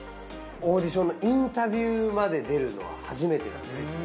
オーディションのインタビューまで出るのは初めて。